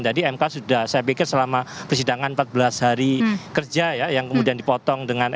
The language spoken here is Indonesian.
mk sudah saya pikir selama persidangan empat belas hari kerja ya yang kemudian dipotong dengan